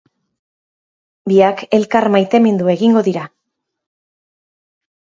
Biak elkar maitemindu egingo dira.